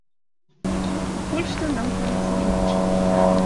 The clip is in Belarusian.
Пакуль што нам хваліцца няма чым.